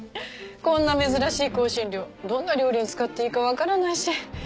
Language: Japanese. こんな珍しい香辛料どんな料理に使っていいかわからないし。